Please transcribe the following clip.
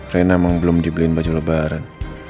rena memang belum dibeliin baju lebaran